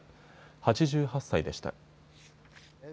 ８８歳でした。